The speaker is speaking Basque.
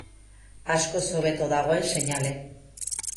Askoz hobeto dagoen seinale.